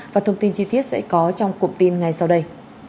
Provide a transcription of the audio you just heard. và thông tin chi tiết sẽ có trong cụm tin ngay sau đây